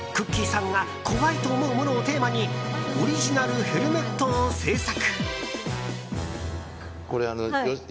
さんが怖いと思うものをテーマにオリジナルヘルメットを制作。